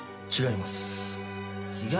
違います。